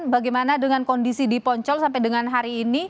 bagaimana dengan kondisi di poncol sampai dengan hari ini